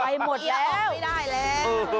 ไปหมดแล้วเยี๊ยะออกไม่ได้แล้ว